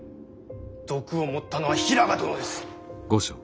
毒を盛ったのは平賀殿です。